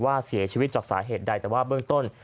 เสียชีวิตจากสาเหตุใดแต่ว่าเบื้องต้น